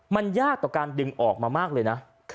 มันยากต่อการดึงออกมามากเลยนะ